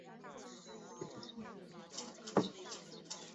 史力柏因语调怪异和常劈啪地晌自己手指而著名。